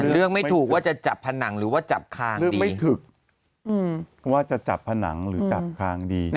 ไม่ถูกว่าจะจับผนังหรือว่าจับคางไม่ถึกว่าจะจับผนังหรือจับคางดี